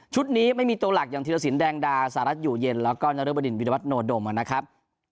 นี้ไม่มีตัวหลักอย่างธิรสินแดงดาสหรัฐอยู่เย็นแล้วก็นรบดินวิรวัตโนดมนะครับ